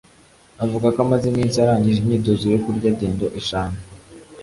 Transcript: Avuga ko amaze iminsi arangije imyitozo yo kurya dendo eshanu